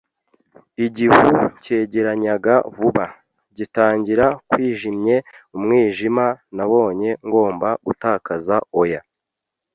igihu cyegeranyaga vuba, gitangira kwijimye umwijima. Nabonye ngomba gutakaza oya